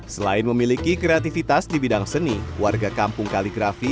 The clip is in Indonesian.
selain memiliki kreativitas di bidang seni warga kampung kaligrafi